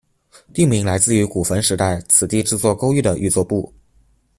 地名来自于古坟时代此地制作勾玉的玉作部。